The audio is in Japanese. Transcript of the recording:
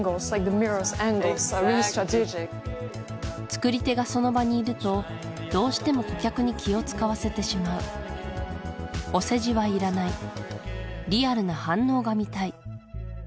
作り手がその場にいるとどうしても顧客に気を使わせてしまう「お世辞はいらないリアルな反応が見たい」